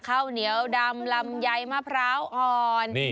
ข้าวเหนียวดำลำไยมะพร้าวอ่อน